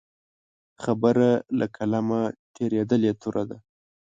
خبره له قلمه تېرېدلې توره ده.